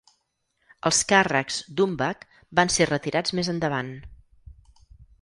Els càrrecs d'Umbach van ser retirats més endavant.